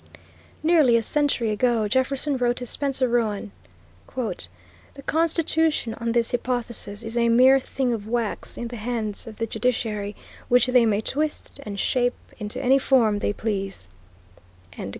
Nearly a century ago, Jefferson wrote to Spencer Roane, "The Constitution, on this hypothesis, is a mere thing of wax in the hands of the judiciary, which they may twist and shape into any form they please."